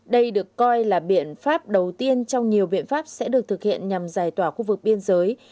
đây được coi là biện pháp đầu tiên trong nhiều biện pháp sẽ được thực hiện nhằm giải tỏa khu vực biên giới